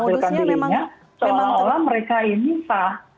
jadi mereka menampilkan dirinya seolah olah mereka ini pak